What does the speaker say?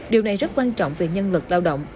điều này rất quan trọng về nhân lực lao động